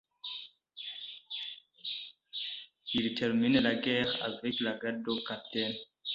Il termine la guerre avec le grade de capitaine.